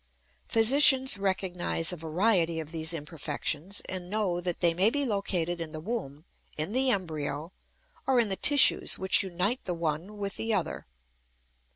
Physicians recognize a variety of these imperfections, and know that they may be located in the womb, in the embryo, or in the tissues which unite the one with the other.